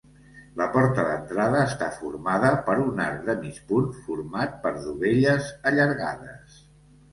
La porta d'entrada està formada per un arc de mig punt format per dovelles allargades.